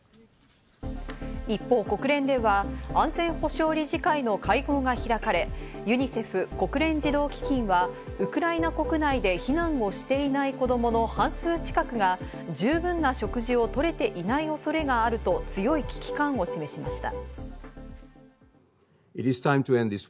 一方、国連では安全保障理事会の会合が開かれ、ユニセフ＝国連児童基金はウクライナ国内で避難をしていない子供の半数近くが十分な食事をとれていない恐れがあると強い危機感を示しました。